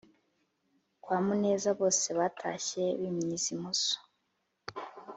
kwa Muneza, bose batashye bimyiza imoso